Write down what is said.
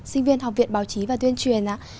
sinh viên học viện báo chí và tuyên truyền